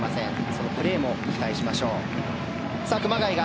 そのプレーも期待しましょう。